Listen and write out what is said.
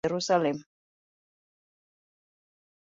A significant number of men work, mostly at home or in Jerusalem.